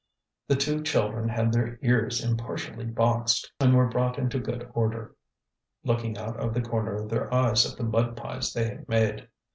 The two children had their ears impartially boxed, and were brought into good order, looking out of the corner of their eyes at the mud pies they had made.